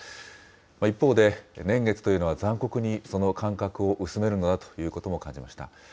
一方で、年月というのは残酷にその感覚を薄めるのだということも感じました。